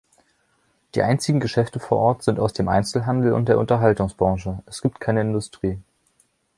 Die einzigen Geschäfte vor Ort sind aus dem Einzelhandel und der Unterhaltungsbranche; es gibt keine Industrie.